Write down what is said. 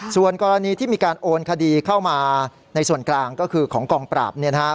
ส่วนกรณีที่มีการโอนคดีเข้ามาในส่วนกลางก็คือของกองปราบเนี่ยนะฮะ